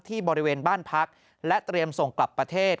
บริเวณบ้านพักและเตรียมส่งกลับประเทศ